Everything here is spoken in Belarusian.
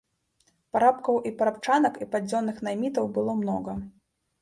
Парабкоў і парабчанак і падзённых наймітаў было многа.